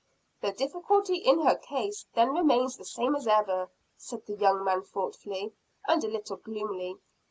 "The difficulty in her case then remains the same as ever," said the young man thoughtfully, and a little gloomily.